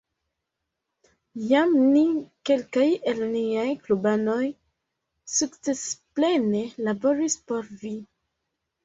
Jam ni, kelkaj el niaj klubanoj, sukcesplene laboris por vi.